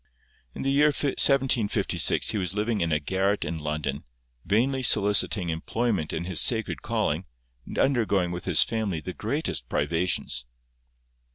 In the year 1756 he was living in a garret in London, vainly soliciting employment in his sacred calling, and undergoing with his family the greatest privations.